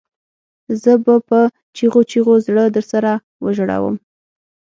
زه به په چیغو چیغو زړه درسره وژړوم